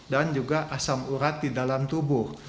juga asam urat di dalam tubuh